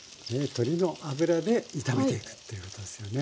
鶏の脂で炒めていくっていうことですよね。